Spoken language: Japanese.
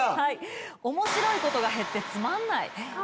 おもしろいことが減ってつまんない。